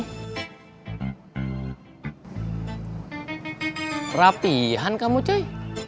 perapihan kamu ucuy